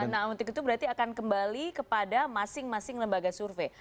nah untuk itu berarti akan kembali kepada masing masing lembaga survei